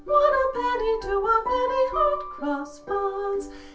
One a penny, two a penny, Hot Cross Buns!